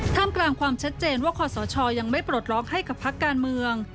กลางความชัดเจนว่าคอสชยังไม่ปลดล็อกให้กับพักการเมือง